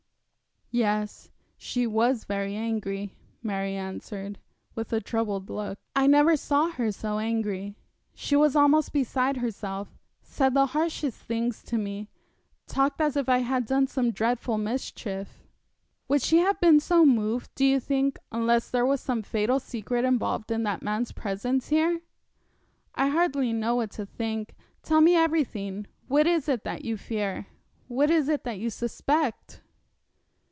'Yes, she was very angry,' Mary answered, with a troubled look. 'I never saw her so angry she was almost beside herself said the harshest things to me talked as if I had done some dreadful mischief.' 'Would she have been so moved, do you think, unless there was some fatal secret involved in that man's presence here?' 'I hardly know what to think. Tell me everything. What is it that you fear? what is it that you suspect?'